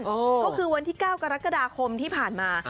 ก็คือวันที่๙กรกฎาคมที่ผ่านมา